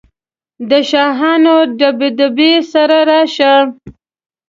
د شاهانه دبدبې سره راشه.